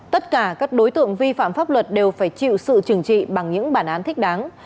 tất cả các đối tượng vi phạm pháp luật đều phải chịu sự trừng trị bằng những bản án thích đáng